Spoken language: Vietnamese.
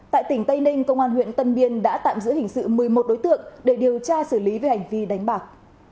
tại tỉnh tây ninh công an huyện tân biên đã tạm giữ hình sự một mươi một đối tượng để điều tra xử lý về hành vi đánh bạc